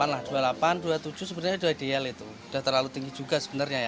dua puluh delapan lah dua puluh delapan dua puluh tujuh sebenarnya dua dl itu udah terlalu tinggi juga sebenarnya ya